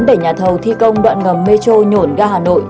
để nhà thầu thi công đoạn ngầm metro nhổn ga hà nội